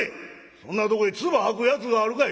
そんなとこへ唾吐くやつがあるかい！」。